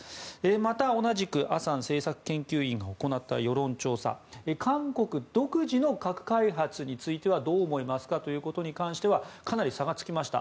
また、同じくアサン政策研究院が行った世論調査で韓国独自の核開発についてはどう思いますかに関してはかなり差がつきました。